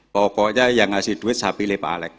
pokoknya yang ngasih duit saya pilih pak alex